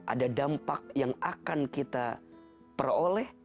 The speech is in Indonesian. ada dampak yang akan kita peroleh